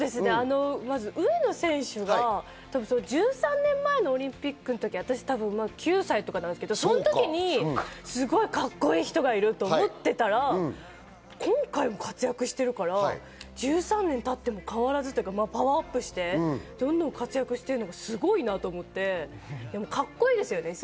上野選手が１３年前のオリンピックの時、多分、私９歳とかなんですけど、その時にカッコいい人がいると思ってたら、今回も活躍してるから１３年経っても変わらずというかパワーアップしてどんどん活躍しているのがすごいと思って、カッコいいですよね。